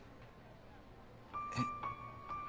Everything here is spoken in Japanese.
えっ。